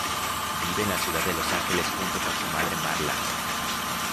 Vive en la ciudad de Los Ángeles junto con su madre Marla.